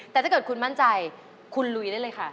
แต่ถ้าเกิดคุณมั่นใจคุณลุยได้เลยค่ะ